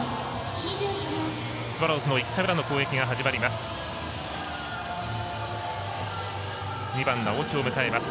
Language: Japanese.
スワローズの１回裏の攻撃が始まります。